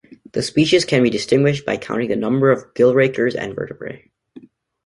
The species can be distinguished by counting the number of gill rakers and vertebrae.